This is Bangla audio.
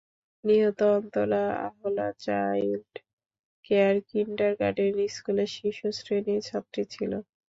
নিহত অন্তরা আহলা চাইল্ড কেয়ার কিন্ডারগার্টেন স্কুলে শিশু শ্রেণির ছাত্রী ছিল।